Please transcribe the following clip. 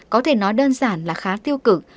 có thể nói đơn giản là khá tiêu cực